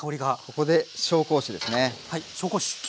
ここで紹興酒ですね。